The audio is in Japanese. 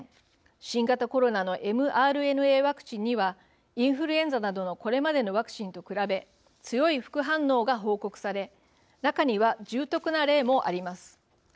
新型コロナのｍＲＮＡワクチンにはインフルエンザなどのこれまでのワクチンと比べ強い副反応が報告され中には重篤な例もあります。